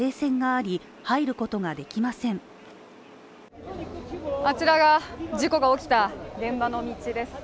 あちらが事故が起きた現場の道です。